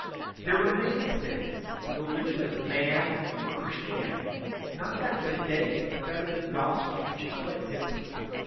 There remains, then, the religion of man or Christian ity, not that of to day, but that of the Grospel, which is quite diflEerent.